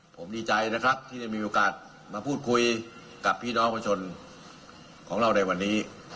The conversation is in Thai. ผมดีใจนะครับที่ได้มีโอกาสมาพูดคุยกับพี่น้องประชาชนของเราในวันนี้